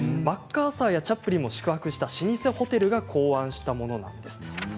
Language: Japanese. マッカーサーやチャップリンも宿泊した老舗ホテルが考案したものです。